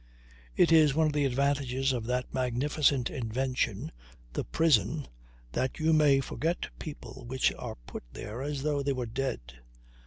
It is one of the advantages of that magnificent invention, the prison, that you may forget people which are put there as though they were dead.